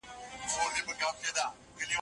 که عملي تجربه موجوده وي، زده کړه نه معطله کېږي.